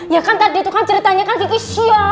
ya kan tadi itu kan ceritanya kan usia